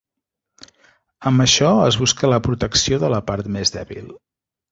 Amb això es busca la protecció de la part més dèbil.